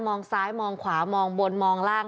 ซ้ายมองขวามองบนมองล่าง